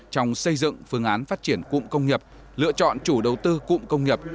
trong xây dựng phương án phát triển cụng công nghiệp lựa chọn chủ đầu tư cụng công nghiệp